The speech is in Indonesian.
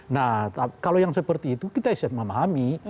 nah kalau yang seperti itu kita bisa memahami